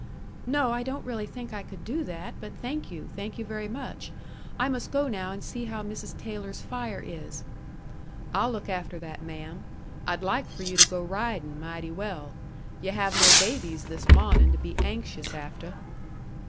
"No. I don't really think I could do that. But thank you. Thank you very much. I must go now and see how Mrs. Taylor's fire is." "I'll look after that, ma'am. I'd like for yu' to go ridin' mighty well. Yu' have no babies this mawnin' to be anxious after."